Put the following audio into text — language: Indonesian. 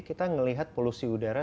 kita melihat polusi udara